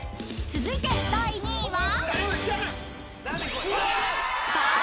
［続いて第４位は？］